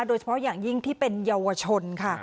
โดยเฉพาะอย่างยิ่งที่เป็นเยาวชนค่ะ